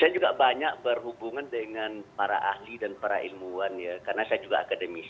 saya banyak berhubungan dengan para ahli dan ilmuwan karena saya akademisi